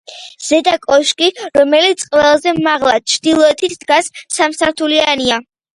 ზედა კოშკი, რომელიც ყველაზე მაღლა, ჩრდილოეთით დგას, სამსართულიანია.